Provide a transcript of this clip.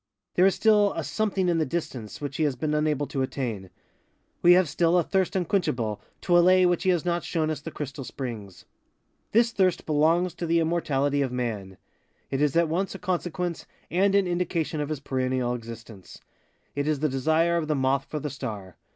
There is still a something in the distance which he has been unable to attain. We have still a thirst unquenchable, to allay which he has not shown us the crystal springs. This thirst belongs to the immortality of Man. It is at once a consequence and an indication of his perennial existence. It is the desire of the moth for the star.